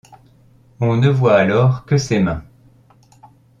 On ne voit alors que ses mains.